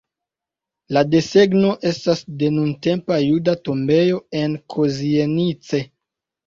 La desegno estas de nuntempa juda tombejo en Kozienice.